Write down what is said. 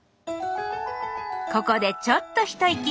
ここでちょっと一息。